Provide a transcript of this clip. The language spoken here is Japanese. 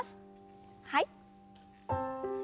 はい。